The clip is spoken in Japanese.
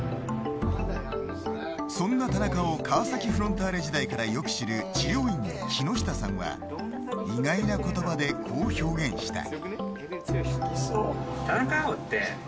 そんな田中を川崎フロンターレ時代からよく知る治療院の木下さんは意外な言葉でこう表現した。